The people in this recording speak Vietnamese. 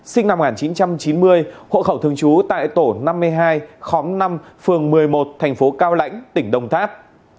sinh năm một nghìn chín trăm chín mươi hộ khẩu thường trú tại tổ năm mươi hai khóm năm phường một mươi một thành phố cao lãnh tỉnh đồng tháp